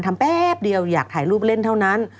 แป๊บเดียวอยากถ่ายรูปเล่นเท่านั้น